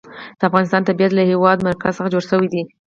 د افغانستان طبیعت له د هېواد مرکز څخه جوړ شوی دی.